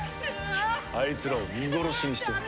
あいつらを見殺しにしても。